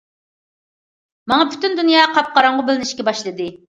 ماڭا پۈتۈن دۇنيا قاپقاراڭغۇ بىلىنىشكە باشلىدى.